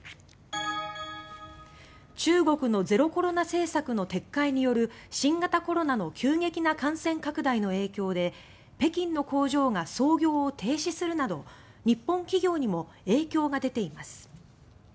中国のゼロコロナ政策の撤回による新型コロナの急激な感染拡大の影響で北京の工場が操業を停止するなど日本企業にも影響が出ています。